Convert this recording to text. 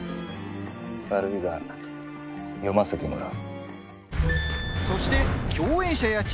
悪いが、読ませてもらう。